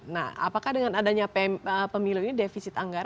nah apakah dengan adanya pemilu ini defisit anggaran